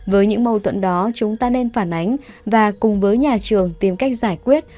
với những mâu tuẫn đó chúng ta nên phản ánh và cùng với nhà trường tìm cách giải quyết